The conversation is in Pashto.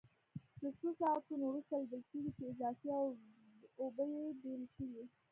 له څو ساعتونو وروسته لیدل کېږي چې اضافي اوبه یې بېلې شوې.